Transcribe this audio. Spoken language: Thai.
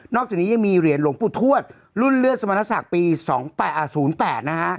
อกจากนี้ยังมีเหรียญหลวงปู่ทวดรุ่นเลือดสมณศักดิ์ปี๒๐๘นะฮะ